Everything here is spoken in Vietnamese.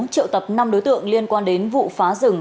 triệu tập năm đối tượng liên quan đến vụ phá rừng